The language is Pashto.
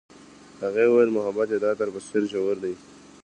هغې وویل محبت یې د عطر په څېر ژور دی.